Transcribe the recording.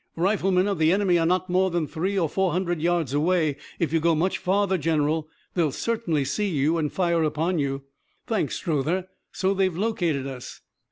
"Riflemen of the enemy are not more than three or four hundred yards away. If you go much farther, General, they will certainly see you and fire upon you." "Thanks, Strother. So they've located us?"